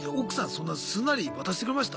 そんなすんなり渡してくれました？